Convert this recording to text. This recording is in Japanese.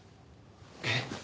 えっ？